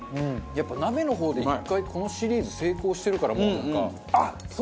やっぱ鍋の方で１回このシリーズ成功してるから。